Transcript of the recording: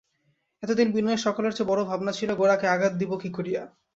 এতদিন বিনয়ের সকলের চেয়ে বড়ো ভাবনা ছিল, গোরাকে আঘাত দিব কী করিয়া।